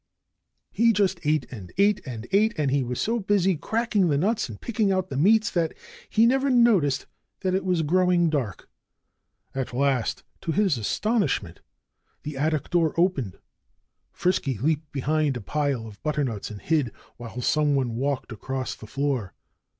He just ate and ate and ate; and he was so busy cracking the nuts and picking out the meats that he never noticed that it was growing dark. At last, to his astonishment, the attic door opened. Frisky leaped behind a pile of butternuts and hid, while someone walked across the floor.